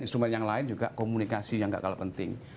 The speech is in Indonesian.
instrumen yang lain juga komunikasi yang gak kalah penting